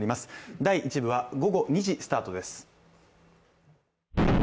第一部は午後２時スタートです。